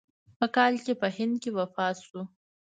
په کال کې په هند کې وفات شو.